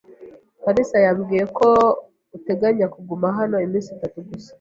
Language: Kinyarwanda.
kalisa yambwiye ko uteganya kuguma hano iminsi itatu gusa.